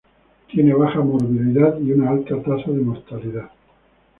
Tiene baja morbilidad y una alta tasa de mortalidad.